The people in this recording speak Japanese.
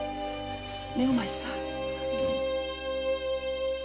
ねお前さん。